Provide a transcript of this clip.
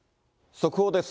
速報です。